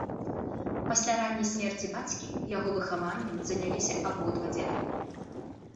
Пасля ранняй смерці бацькі яго выхаваннем заняліся абодва дзяды.